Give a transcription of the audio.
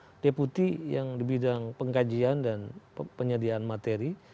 ada deputi yang di bidang pengkajian dan penyediaan materi